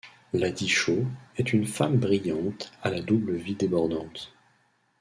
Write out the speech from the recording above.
Lady Cho est une femme brillante à la double vie débordante.